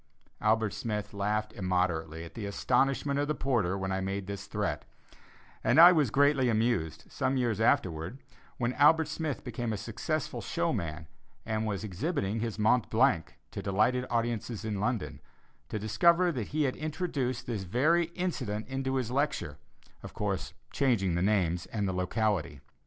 Albert Smith laughed immoderately at the astonishment of the porter when I made this threat, and I was greatly amused, some years afterwards, when Albert Smith became a successful showman and was exhibiting his "Mont Blanc" to delighted audiences in London, to discover that he had introduced this very incident into his lecture, of course, changing the names and locality.